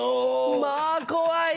まぁ怖い。